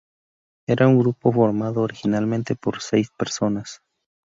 Era un grupo formado originalmente por seis personas.